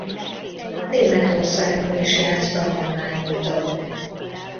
Németországban is járt tanulmányúton.